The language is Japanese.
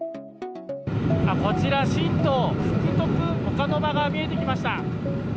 こちら新島、福徳岡ノ場が見えてきました。